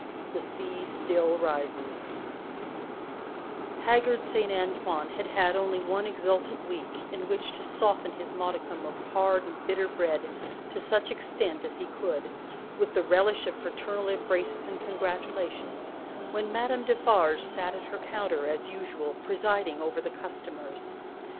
The Sea Still Rises Haggard Saint Antoine had had only one exultant week, in which to soften his modicum of hard and bitter bread to such extent as he could, with the relish of fraternal embraces and congratulations, when Madame Defarge sat at her counter, as usual, presiding over the customers.